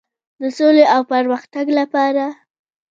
د سولې او پرمختګ لپاره.